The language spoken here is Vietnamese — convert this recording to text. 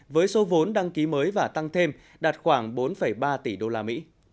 với số vốn đăng ký mới và tăng thêm đạt khoảng bốn ba tỷ usd